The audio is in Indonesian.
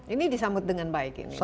ini disambut dengan baik ini